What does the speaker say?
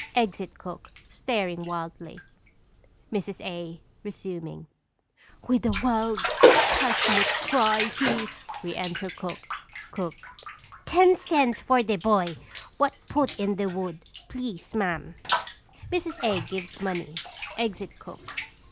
[Exit cook, staring wildly. Mrs. A. (resuming). "With a wild, passionate cry, he " Re enter cook. Cook. Ten cents for de boy what put in de wood, please, ma'am! [_Mrs. A. gives money; exit cook.